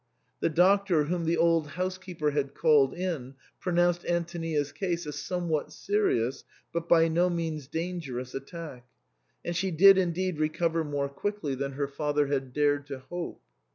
The Doctor, whom the old housekeeper had called in, pronounced Anto nia's case a somewhat serious but by no means danger ous attack ; and she did indeed recover more quickly than her father had dared to hope.